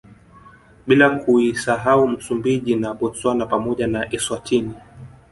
Bila kuisahau Msumbiji na Botswana pamoja na Eswatini